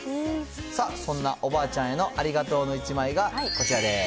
さあ、そんなおばあちゃんへのありがとうの１枚がこちらです。